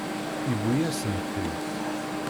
Yewwi-yasent-t-id.